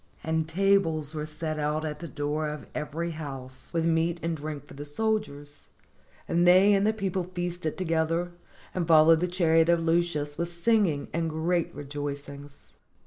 And tables were set out at the door of every house, with meat and drink for the soldiers, and they and the people feasted together, and followed the chariot of Lucius with sing ing and great rejoicings.